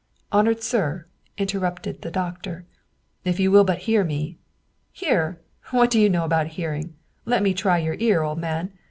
" Honored sir," interrupted the doctor, " if you will but hear me " "Hear? What do you know about hearing? Let me try your ear, old man!